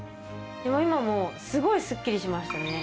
今もすごいすっきりしましたね